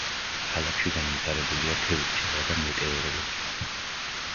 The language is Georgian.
ქალაქში განვითარებულია თევზჭერა და მეტეოროლოგია.